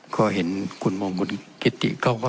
ก็เห็นคุณมงคุณกิตติก็ว่า